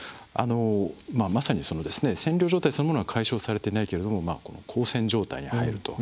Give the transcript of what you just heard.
まさに占領状態そのものは解消されていないけど交戦状態に入ると。